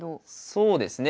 そうですね。